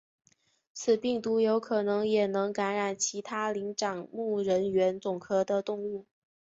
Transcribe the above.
此病毒有可能也能感染其他灵长目人猿总科的动物。